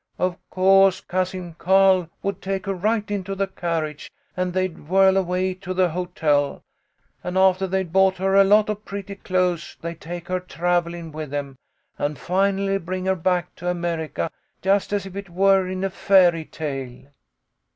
Of co'se Cousin Carl would take her right into the car riage, and they'd whirl away to the hotel, and aftah they'd bought her a lot of pretty clothes they'd take her travellin' with them, and finally bring her back to America just as if it were in a fairy tale."